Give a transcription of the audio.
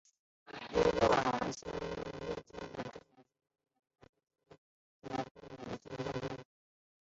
不过相同发动机用在两架飞机也不尽相通。